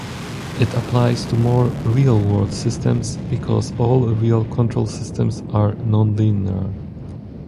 It applies to more real-world systems, because all real control systems are nonlinear.